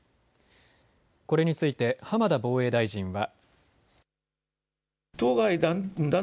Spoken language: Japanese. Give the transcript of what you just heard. これについて浜田防衛大臣は。